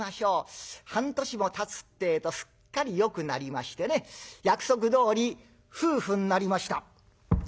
半年もたつってえとすっかりよくなりましてね約束どおり夫婦になりました。